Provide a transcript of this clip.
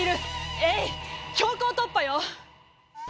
ええい強行突破よ！